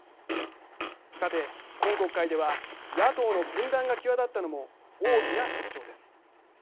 さて、今国会では野党の分断が際立ったのも大きな特徴です。